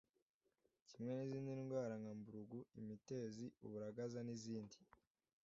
kimwe n’izindi ndwara nka mburugu, imitezi, uburagaza n’izindi.